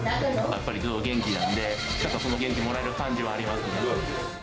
やっぱりママが元気なんで、元気もらえる感じはあります。